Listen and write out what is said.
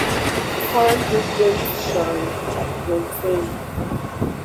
The current president is Shang Yongfeng.